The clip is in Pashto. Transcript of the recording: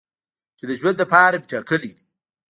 چې د ژوند لپاره مې ټاکلی دی.